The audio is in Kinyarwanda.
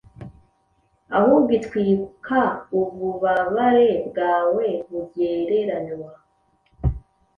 Ahubwo itwika ububabare bwawe, bugereranywa